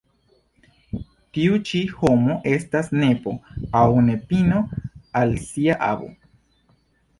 Tiu ĉi homo estas nepo aŭ nepino al sia avo.